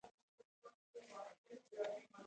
هر شهید ئې د ازادۍ سندره ده